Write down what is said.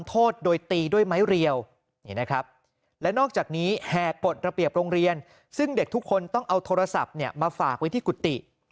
โทรศัพท์เนี่ยมาฝากไว้ที่กุฏิ